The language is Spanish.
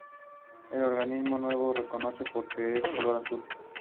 Las reservas de carbón en el país siguen siendo extensas.